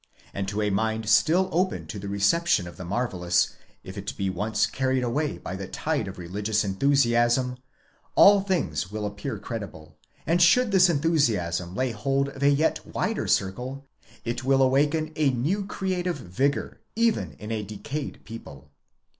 And to a mind still open to the reception of the marvellous, if it be once carried away by the tide of religious enthusiasm, all things will appear credible, and should this enthusiasm lay hold of a yet wider circle, it will awaken a new creative vigour, even in a decayed people.